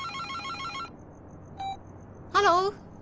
☎ハロー！